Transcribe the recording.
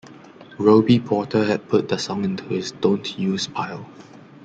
Robie Porter had put the song into his "don't use" pile.